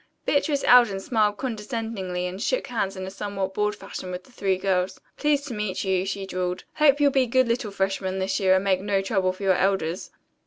Beatrice Alden smiled condescendingly, and shook hands in a somewhat bored fashion with the three girls. "Pleased to meet you," she drawled. "Hope you'll be good little freshmen this year and make no trouble for your elders."